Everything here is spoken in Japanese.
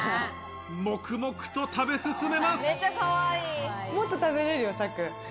黙々と食べ進めます。